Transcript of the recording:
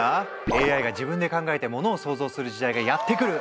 ＡＩが自分で考えてモノを創造する時代がやって来る！